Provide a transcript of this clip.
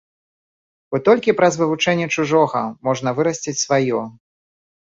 Бо толькі праз вывучэнне чужога можна вырасціць сваё.